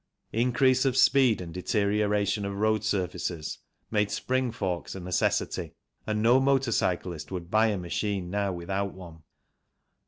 Increase of speed and deterioration of road surfaces made spring forks a necessity, and no motor cyclist would buy a machine now without one.